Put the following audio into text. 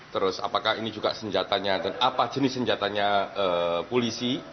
terus apakah ini juga senjatanya dan apa jenis senjatanya polisi